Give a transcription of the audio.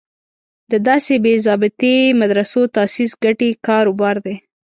د داسې بې ضابطې مدرسو تاسیس ګټې کار و بار دی.